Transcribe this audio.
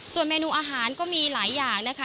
ส่วนเมนูอาหารก็มีหลายอย่างนะคะ